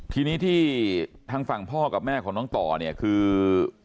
ทีนี้ที่ทางฝั่งพ่อกับแม่ของน้องต่อเนี่ยคือ